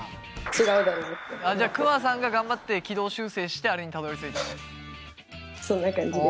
ああじゃあくまさんが頑張って軌道修正してあれにたどりついたんだね。